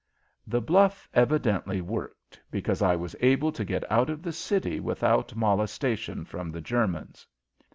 The bluff evidently worked, because I was able to get out of the city without molestation from the Germans.